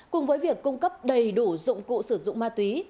cùng với việc cung cấp đầy đủ dụng cụ sử dụng ma túy